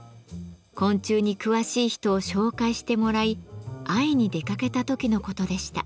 昆虫に詳しい人を紹介してもらい会いに出かけた時のことでした。